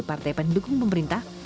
partai pendukung pemerintah